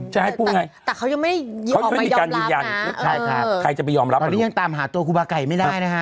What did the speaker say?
ใช่พูดไงแต่เขายังไม่อย่องมายอมรับอ่ะอย่างนั้นไปยอมรับตอนนี้ยังตามหาตัวคุบาไก่ไม่ได้นะฮะ